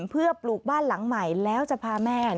เพื่อปลูกบ้านหลังใหม่แล้วจะพาแม่